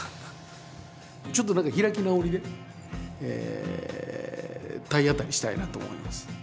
ちょっと何か開き直りで体当たりしたいなと思います。